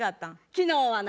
昨日はな